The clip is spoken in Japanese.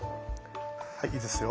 はいいいですよ。